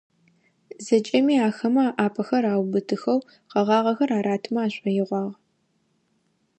ЗэкӀэми ахэмэ аӏапэхэр аубытыхэу, къэгъагъэхэр аратымэ ашӀоигъуагъ.